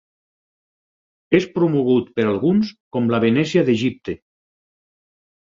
És promogut per alguns com la Venècia d'Egipte.